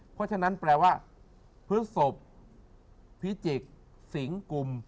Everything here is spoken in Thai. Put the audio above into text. เพราะฉะนั้นแปลว่าพฤศพพิจิกษ์สิงกุม